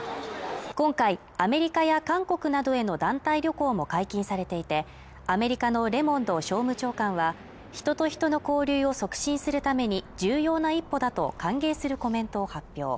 今回アメリカや韓国などへの団体旅行も解禁されていてアメリカのレモンド商務長官は人と人の交流を促進するために重要な一歩だと歓迎するコメントを発表